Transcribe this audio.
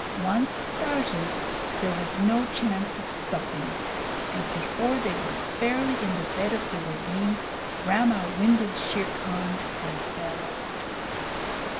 Once started, there was no chance of stopping, and before they were fairly in the bed of the ravine Rama winded Shere Khan and bellowed.